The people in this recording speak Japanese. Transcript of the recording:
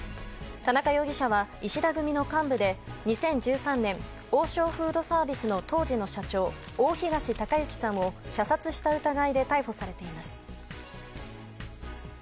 田中容疑者は石田組の幹部で２０１３年王将フードサービスの当時の社長大東隆行さんを射殺した疑いで逮捕されています。